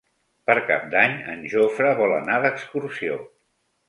Per Cap d'Any en Jofre vol anar d'excursió.